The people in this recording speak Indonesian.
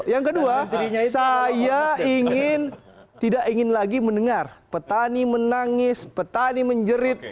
yang kedua saya ingin tidak ingin lagi mendengar petani menangis petani menjerit